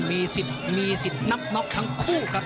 มีสิทธิ์มีสิทธิ์นับน็อกทั้งคู่ครับ